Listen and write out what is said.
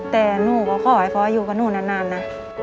แต่หนูก็ขอให้พ่ออยู่กับหนูนานนะ